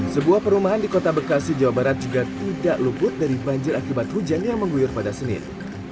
sebuah perumahan di kota bekasi jawa barat juga tidak luput dari banjir akibat hujan yang mengguyur pada senin